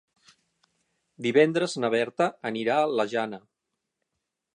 Divendres na Berta anirà a la Jana.